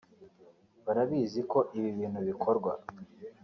barabizi ko ibi bintu bikorwa